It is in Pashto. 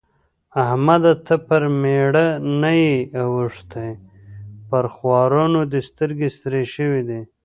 احمده! ته پر مېړه نه يې اوښتی؛ پر خوارانو دې سترګې سرې شوې دي.